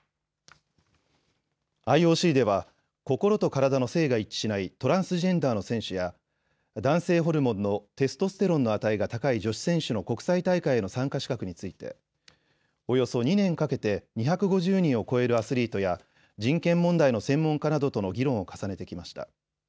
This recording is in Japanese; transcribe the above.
ＩＯＣでは心と体の性が一致しないトランスジェンダーの選手や男性ホルモンのテストステロンの値が高い女子選手の国際大会の参加資格についておよそ２年かけて２５０人を超えるアスリートや人権問題の専門家などとの議論を重ねてきました。